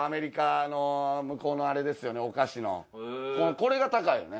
これが高いよね。